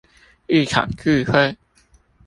一場聚會